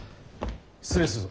失礼するぞ。